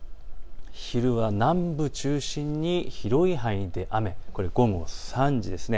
昼は南部中心に広い範囲で雨、これは午後３時です。